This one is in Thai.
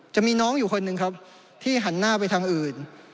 จะมีน้องอยู่คนหนึ่งครับที่หันหน้าไปทางอื่น